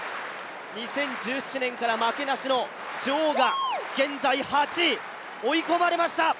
２０１７年から負けなしの女王が現在８位、追い込まれました。